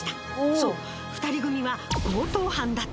そう２人組は強盗犯だったのだ。